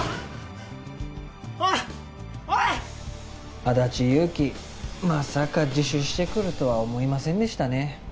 安達祐樹まさか自首してくるとは思いませんでしたね